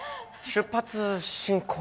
出発進行。